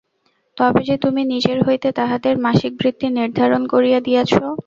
তবে যে তুমি নিজের হইতে তাহাদের মাসিক বৃত্তি নির্ধারণ করিয়া দিয়াছ?